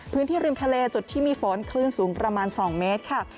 พื้นที่ริมทะเลจุดที่มีฝนคลื่นสูงประมาณ๒เมตร